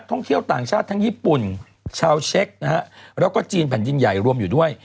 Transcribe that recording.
ท่องเที่ยวต่างชาติทั้งญี่ปุ่นชาวเช็คนะฮะแล้วก็จีนแผ่นดินใหญ่รวมอยู่ด้วย